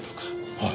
はい。